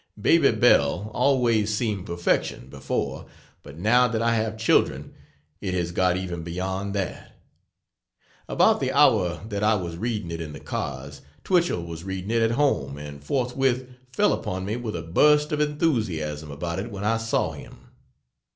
"Baby Bell" always seemed perfection, before, but now that I have children it has got even beyond that. About the hour that I was reading it in the cars, Twichell was reading it at home and forthwith fell upon me with a burst of enthusiasm about it when I saw him.